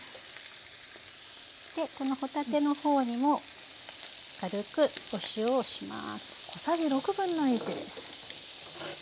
この帆立ての方にも軽くお塩をします。